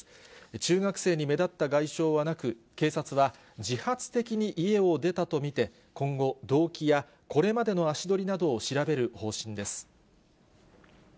中学生に目立った外傷はなく、警察は、自発的に家を出たと見て、今後、動機や、これまでの足取りなどを調べる方針です。